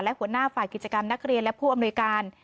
และหัวหน้าฝ่ายกิจกรรมนักเรียนและผู้อำนวยการ